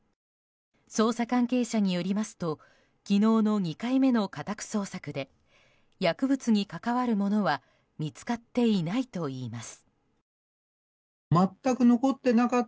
捜査関係者によりますと昨日の２回目の家宅捜索で薬物に関わるものは見つかっていないといいます。